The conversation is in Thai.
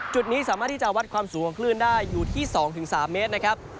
จุดนี้สามารถที่จะวัดความสูงของคลื่นได้อยู่ที่๒๓เมตรนะครับ